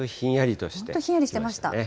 本当ひんやりしてました。